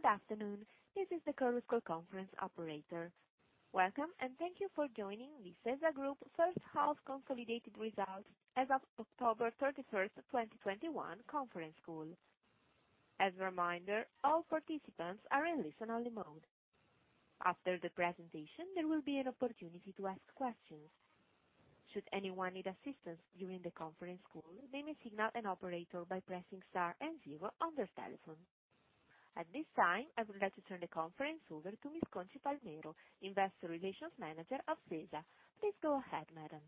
Good afternoon. This is the Chorus Call conference operator. Welcome, and thank you for joining the SeSa Group first half consolidated results as of October 31, 2021 conference call. As a reminder, all participants are in listen only mode. After the presentation, there will be an opportunity to ask questions. Should anyone need assistance during the conference call, they may signal an operator by pressing star and zero on their telephone. At this time, I would like to turn the conference over to Ms. Conxi Palmero, Investor Relations Manager of SeSa. Please go ahead, madam.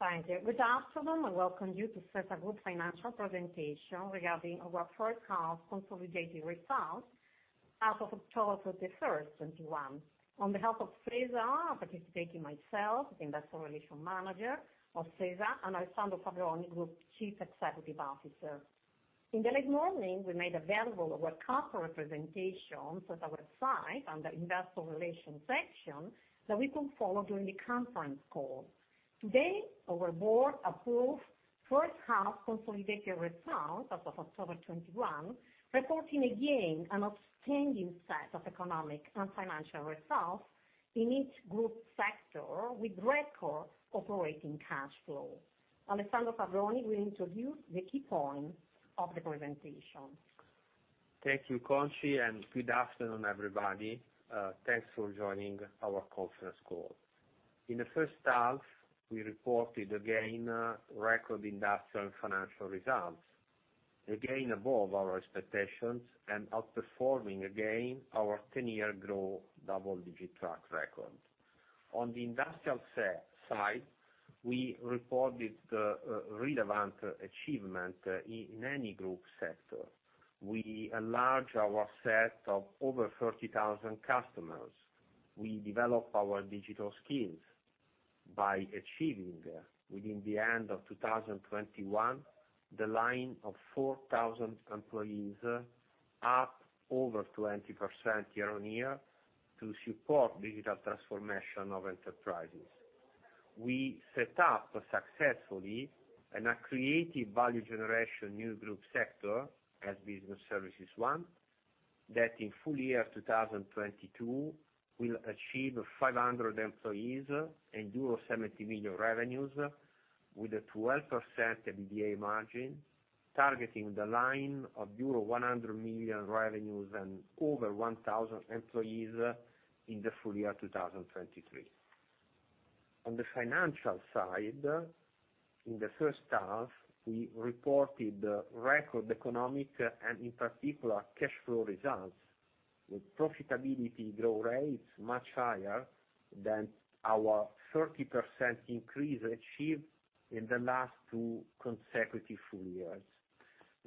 Thank you. Good afternoon, and welcome to SeSa Group financial presentation regarding our first half consolidated results as of October 31, 2021. On behalf of SeSa, are participating myself, Investor Relations Manager of SeSa, and Alessandro Fabbroni, Group Chief Executive Officer. In the late morning, we made available our corporate presentation on our website, under investor relations section, that we can follow during the conference call. Today, our board approved first half consolidated results as of October 2021, reporting again an outstanding set of economic and financial results in each group sector with record operating cash flow. Alessandro Fabbroni will introduce the key points of the presentation. Thank you, Conxi, and good afternoon, everybody, thanks for joining our conference call. In the first half, we reported again record industrial and financial results, again above our expectations and outperforming again our 10-year growth double-digit track record. On the industrial side, we reported relevant achievements in every group sector. We enlarged our set of over 30,000 customers. We developed our digital skills by achieving, by the end of 2021, the line of 4,000 employees, up over 20% year-on-year to support digital transformation of enterprises. We set up successfully an accretive value generation new group sector as Business Services one, that in full year 2022 will achieve 500 employees and euro 70 million revenues with a 12% EBITDA margin, targeting the line of euro 100 million revenues and over 1,000 employees in the full year 2023. On the financial side, in the first half, we reported record economic and, in particular, cash flow results, with profitability growth rates much higher than our 30% increase achieved in the last two consecutive full years.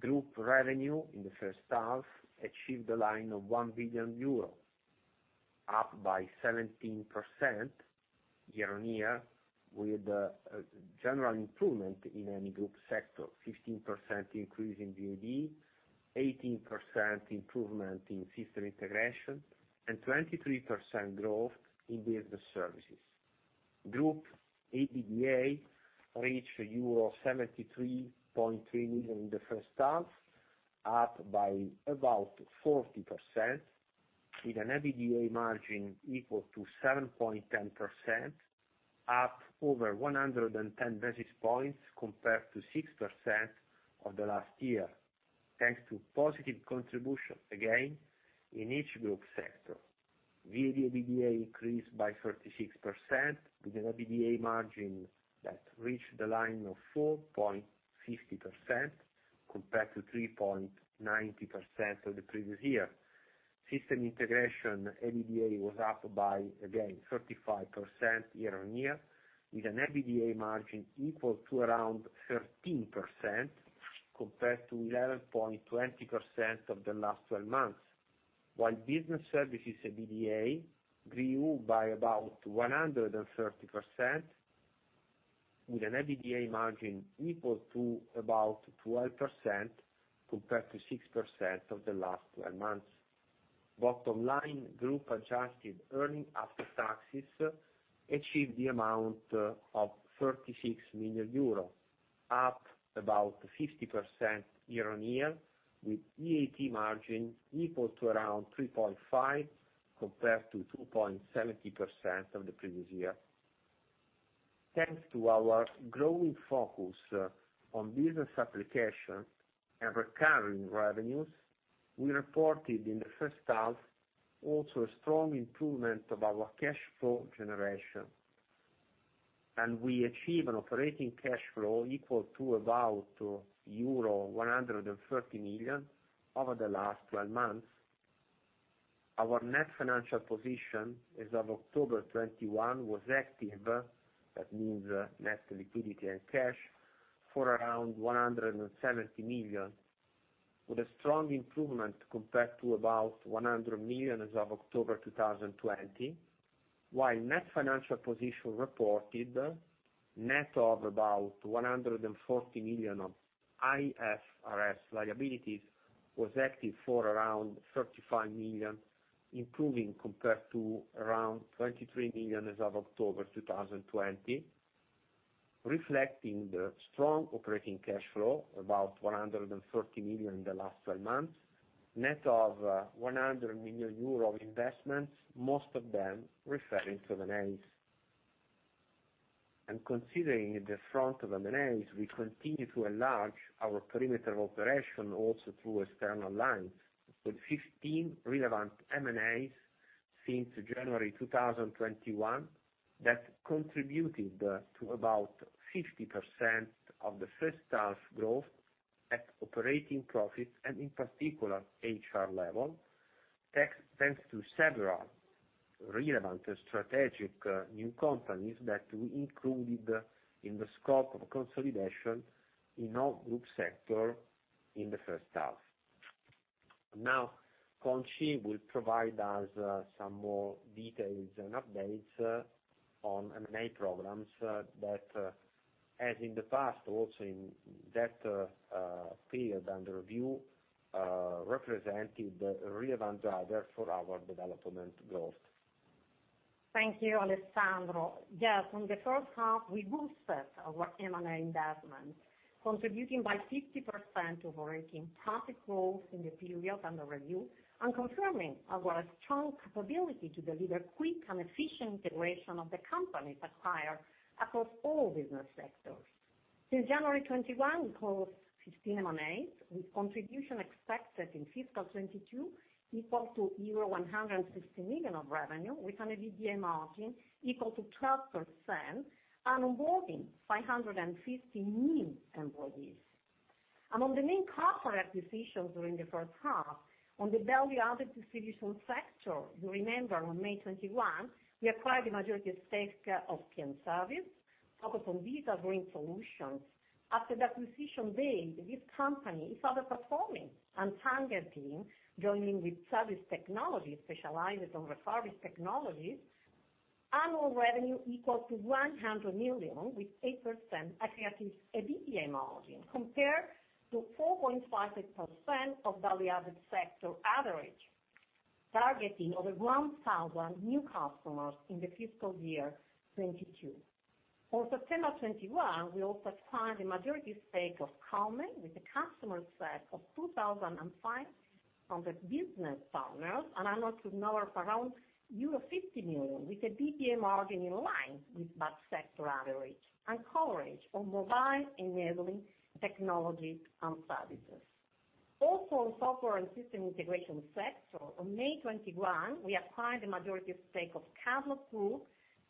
Group revenue in the first half achieved a line of 1 billion euro, up by 17% year-on-year with general improvement in any group sector, 15% increase in VAD, 18% improvement in system integration, and 23% growth in Business Services. Group EBITDA reached euro 73.3 million in the first half, up by about 40% with an EBITDA margin equal to 7.10%, up over 110 basis points compared to 6% of the last year, thanks to positive contribution again in each group sector. VAD EBITDA increased by 36% with an EBITDA margin that reached the line of 4.50% compared to 3.90% of the previous year. System Integration EBITDA was up by, again, 35% year-over-year, with an EBITDA margin equal to around 13% compared to 11.20% of the last twelve months, while Business Services EBITDA grew by about 130% with an EBITDA margin equal to about 12% compared to 6% of the last twelve months. Bottom line, group adjusted earnings after taxes achieved the amount of 36 million euro, up about 50% year-on-year, with EAT margin equal to around 3.5% compared to 2.70% of the previous year. Thanks to our growing focus on business application and recurring revenues, we reported in the first half also a strong improvement of our cash flow generation. We achieve an operating cash flow equal to about euro 130 million over the last twelve months. Our net financial position as of October 2021 was active, that means net liquidity and cash, for around 170 million, with a strong improvement compared to about 100 million as of October 2020, while net financial position reported net of about 140 million of IFRS liabilities was active for around 35 million, improving compared to around 23 million as of October 2020. Reflecting the strong operating cash flow, about 130 million in the last twelve months, net of 100 million euro of investments, most of them referring to the M&As. Considering the front of M&As, we continue to enlarge our perimeter of operation also through external lines, with 15 relevant M&As since January 2021 that contributed to about 50% of the first half growth at operating profit and in particular at EBITDA level, thanks to several relevant strategic new companies that we included in the scope of consolidation in all group sector in the first half. Now, Conxi will provide us some more details and updates on M&A programs that, as in the past also in that period under review, represented a relevant driver for our development growth. Thank you, Alessandro. Yes, in the first half, we boosted our M&A investment, contributing 50% of operating profit growth in the period under review and confirming our strong capability to deliver quick and efficient integration of the companies acquired across all business sectors. Since January 2021, we closed 15 M&As, with contribution expected in fiscal 2022 equal to euro 160 million of revenue with an EBITDA margin equal to 12% and onboarding 550 new employees. Among the main corporate acquisitions during the first half, in the value-added distribution sector, you may remember in May 2021, we acquired the majority stake of PM Service focused on digital green solutions. After the acquisition date, this company is overperforming and targeting, joining with Service Technology, specialized on refurbished technology, annual revenue equal to 100 million with 8% EBITDA margin, compared to 4.58% of value-added distribution sector average, targeting over 1,000 new customers in the fiscal year 2022. On September 2021, we also acquired the majority stake of Comit with a customer set of 2,500 business partners, an annual turnover of around euro 50 million, with a EBITDA margin in line with that sector average, and coverage on mobile enabling technology and services. In Software and System Integration sector, on May 2021, we acquired the majority of stake of Cadlog Group,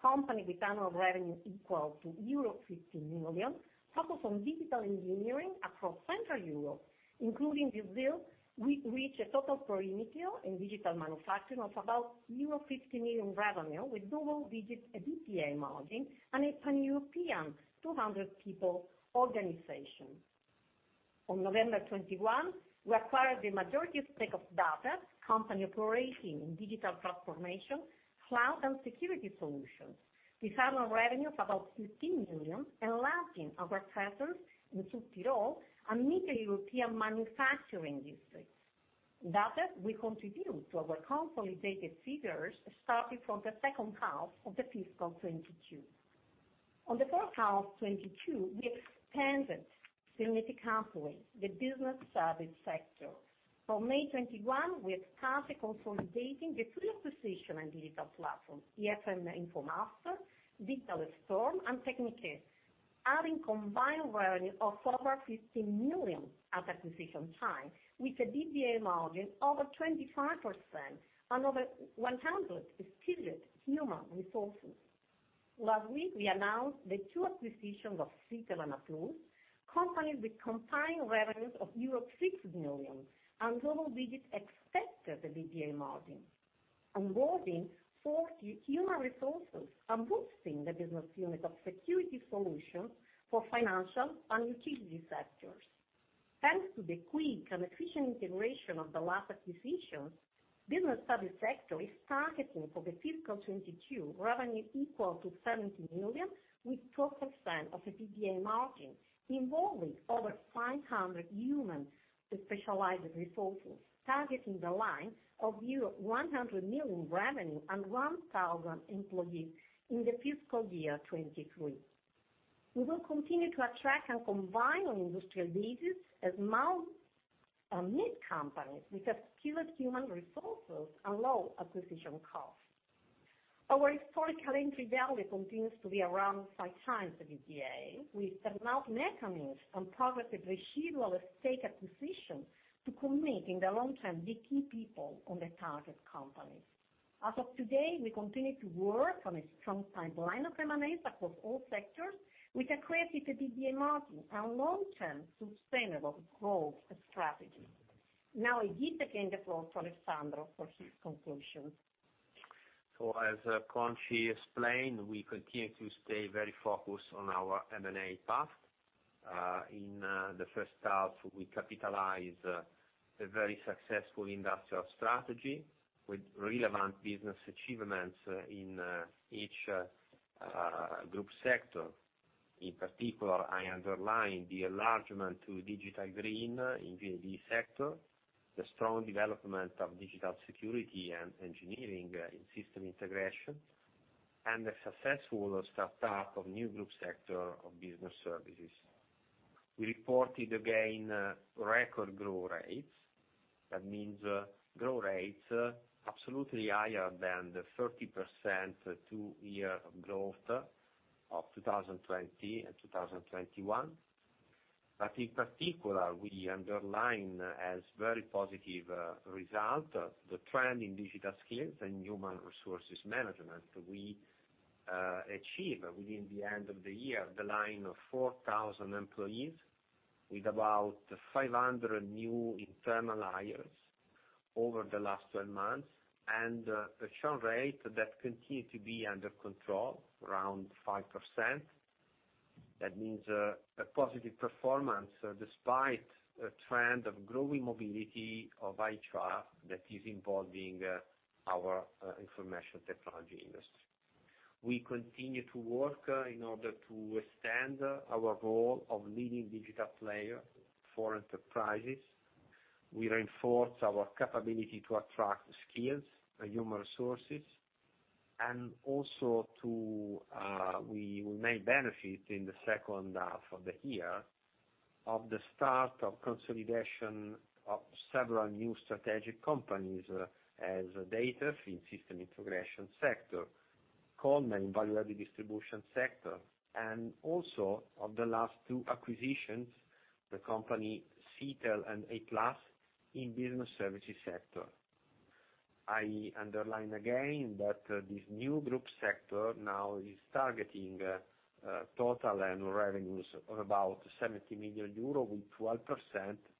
company with annual revenue equal to euro 50 million, focused on digital engineering across Central Europe. Including this deal, we reach a total perimeter in digital manufacturing of about euro 50 million revenue with double-digit EBITDA margin and a pan-European 200 people organization. On November 2021, we acquired the majority stake of DataS, company operating in digital transformation, cloud and security solutions, with annual revenue of about 15 million, enlarging our presence in South Tyrol and Middle European manufacturing district. DataS will contribute to our consolidated figures starting from the second half of the fiscal 2022. On the first half 2022, we expanded significantly the Business Services sector. From May 2021, we have started consolidating the three acquisition and digital platform, IFM Infomaster, Digital Storm and Tecnikè, adding combined revenue of over 50 million at acquisition time with a EBITDA margin over 25% and over 100 skilled human resources. Last week, we announced the two acquis`itions of Citel; and A-Class, companies with combined revenues of 60 million and double-digit expected EBITDA margin, onboarding 40 human resources and boosting the business unit of security solutions for financial and utility sectors. Thanks to the quick and efficient integration of the last acquisitions, Business Services sector is targeting for the fiscal 2022 revenue equal to 70 million with 12% EBITDA margin, involving over 500 human specialized resources, targeting the line of 100 million revenue and 1,000 employees in the fiscal year 2023. We will continue to attract and combine on industrial basis M&A mid companies with skilled human resources and low acquisition costs. Our historical entry value continues to be around 5x the EBITDA, with earn-out mechanisms and progressive residual stake acquisition to commit in the long term the key people on the target companies. As of today, we continue to work on a strong pipeline of M&As across all sectors with accretive EBITDA margin and long-term sustainable growth strategy. Now I give again the floor to Alessandro for his conclusions. As Conxi explained, we continue to stay very focused on our M&A path. In the first half, we capitalize a very successful industrial strategy with relevant business achievements in each group sector. In particular, I underline the enlargement to digital green in VAD sector. The strong development of digital security and digital engineering in System Integration and the successful startup of new group sector of Business Services. We reported again record growth rates, that means growth rates absolutely higher than the 30% two-year growth of 2020 and 2021. In particular, we underline as very positive result the trend in digital skills and human resources management we achieve by the end of the year, the line of 4,000 employees with about 500 new internal hires over the last 12 months, and the churn rate that continues to be under control around 5%. That means a positive performance despite a trend of growing mobility that is involving our information technology industry. We continue to work in order to extend our role of leading digital player for enterprises. We reinforce our capability to attract skills, human resources, and we may benefit in the second half of the year from the start of consolidation of several new strategic companies in the Software and System Integration sector, Value Added Distribution sector, and also of the last two acquisitions, the company Citel and A-Class in Business Services sector. I underline again that this new Business Services sector now is targeting total annual revenues of about 70 million euro with 12%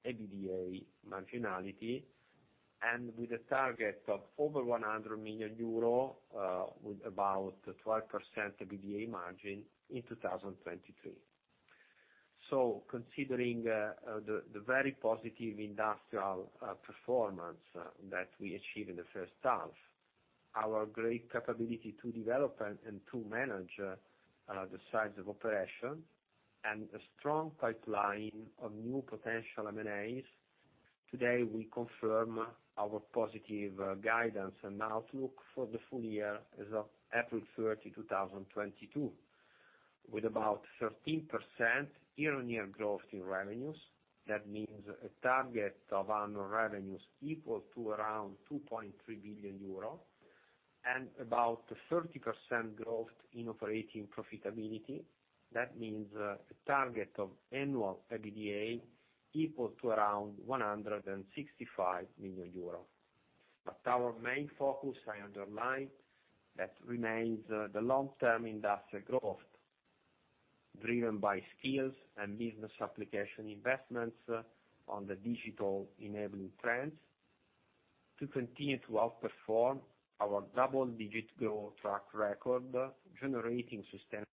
EBITDA margin and with a target of over 100 million euro with about 12% EBITDA margin in 2023. Considering the very positive industrial performance that we achieved in the first half, our great capability to develop and to manage the size of operation and a strong pipeline of new potential M&As, today we confirm our positive guidance and outlook for the full year as of April 30, 2022. With about 13% year-on-year growth in revenues, that means a target of annual revenues equal to around 2.3 billion euro and about 30% growth in operating profitability. That means a target of annual EBITDA equal to around 165 million euro. Our main focus, I underline that remains the long-term industrial growth driven by skills and business application investments on the digital enabling trends to continue to outperform our double-digit growth track record, generating sustain-